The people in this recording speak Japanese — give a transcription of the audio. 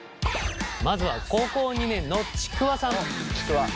まずは高校２年のちくわさん。